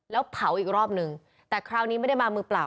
แล้วเผาอีกรอบนึงแต่คราวนี้ไม่ได้มามือเปล่า